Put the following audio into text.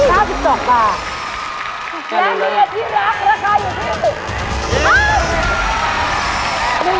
และเมียที่รักราคาอยู่ที่